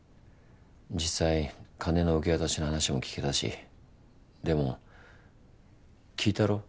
実際金の受け渡しの話も聞けたしでも聞いたろ？